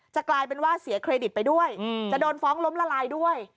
กลายเป็นว่าเสียเครดิตไปด้วยจะโดนฟ้องล้มละลายด้วย